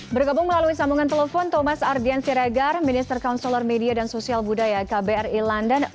bergabung melalui sambungan telepon thomas ardian siregar minister counselor media dan sosial budaya kbri london